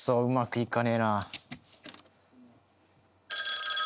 うまくいかねえな。